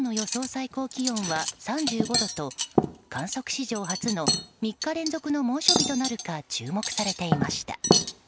最高気温は３５度と観測史上初の３日連続の猛暑日となるか注目されていました。